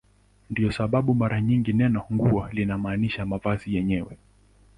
Ndiyo sababu mara nyingi neno "nguo" linamaanisha mavazi yenyewe.